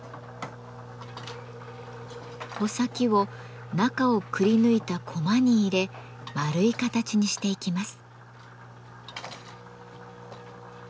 穂先を中をくりぬいたコマに入れ丸い形にしていきます。